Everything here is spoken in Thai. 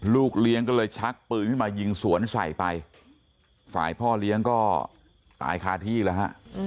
ลูกเลี้ยงก็เลยชักปืนขึ้นมายิงสวนใส่ไปฝ่ายพ่อเลี้ยงก็ตายคาที่แล้วฮะ